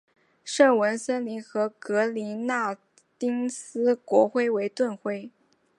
圣文森特和格林纳丁斯国徽为盾徽。